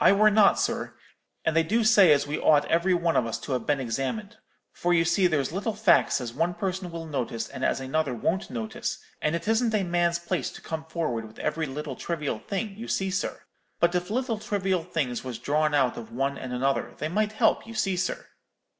'I were not, sir; and they do say as we ought every one of us to have been examined; for you see there's little facks as one person will notice and as another won't notice, and it isn't a man's place to come forward with every little trivial thing, you see, sir; but if little trivial things was drawn out of one and another, they might help, you see, sir.'